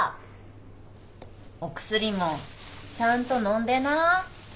お薬もちゃんと飲んでな。